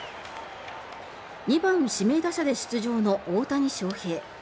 ２番指名打者で出場の大谷翔平。